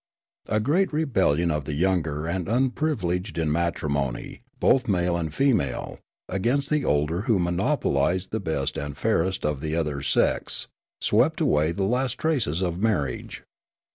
A great rebellion of the younger and unprivileged in matrimon}', both male and female, against the older who monopolised the best and fairest of the other sex swept away the last traces of marriage.